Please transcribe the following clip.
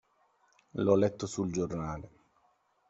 L'ho letto sul giornale.